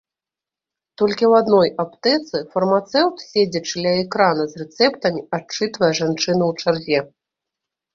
Толькі ў адной аптэцы фармацэўт, седзячы ля экрана з рэцэптамі адчытвае жанчыну ў чарзе.